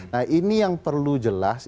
nah ini yang perlu jelas